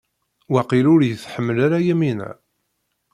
Waqil ur yi-tḥemmel ara Yamina.